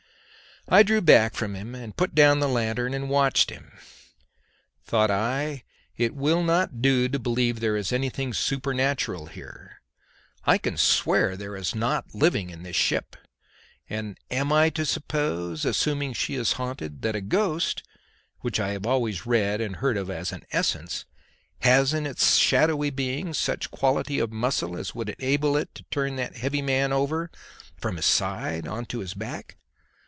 I drew back from him, and put down the lanthorn and watched him. Thought I, it will not do to believe there is anything supernatural here. I can swear there is naught living in this ship, and am I to suppose, assuming she is haunted, that a ghost, which I have always read and heard of as an essence, has in its shadowy being such quality of muscle as would enable it to turn that heavy man over from his side on to his back?